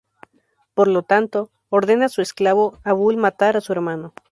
Por lo tanto, ordena a su esclavo Abul matar a su hermano.